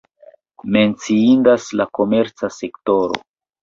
Menciindas la komerca sektoro.